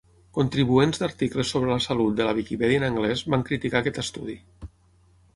Contribuents d'articles sobre la salut de la Viquipèdia en anglès van criticar aquest estudi.